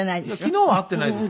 昨日は会っていないですけど。